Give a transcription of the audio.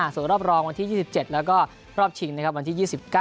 ส่วนรอบรองวันที่๒๗แล้วก็รอบชิงนะครับวันที่๒๙